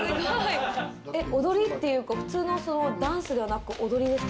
踊りというか、ダンスではなく踊りですか？